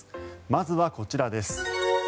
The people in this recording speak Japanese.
まずはこちらです。